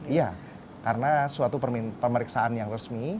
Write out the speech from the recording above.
iya karena suatu pemeriksaan yang resmi